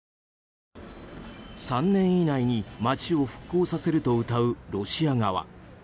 ３年以内に街を復興させるとうたうロシア側。